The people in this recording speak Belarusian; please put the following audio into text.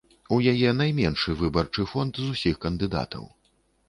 У яе найменшы выбарчы фонд з усіх кандыдатаў.